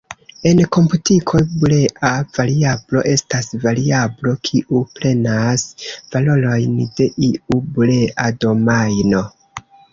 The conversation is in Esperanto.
En komputiko, bulea variablo estas variablo kiu prenas valorojn de iu bulea domajno.